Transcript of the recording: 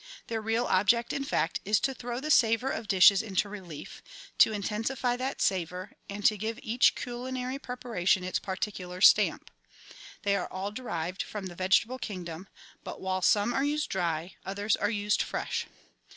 Their real object, in fact, is to throw the savour of dishes into relief, to intensify that savour, and to give each culinary preparation its particular stamp. They are all derived from the vegetable kingdom ; but, while some are used dry, others are used fresh.